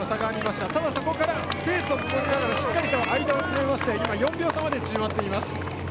ただ、そこからペースを上げながらしっかりと間を詰めまして４秒差まで縮まっています。